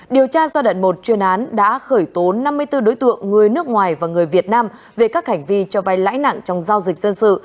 điều tra giai đoạn một chuyên án đã khởi tố năm mươi bốn đối tượng người nước ngoài và người việt nam về các hành vi cho vai lãi nặng trong giao dịch dân sự